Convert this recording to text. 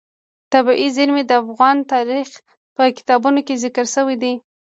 طبیعي زیرمې د افغان تاریخ په کتابونو کې ذکر شوی دي.